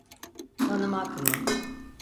Tanımak mı?